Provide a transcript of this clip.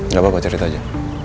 gak apa apa ceritanya aja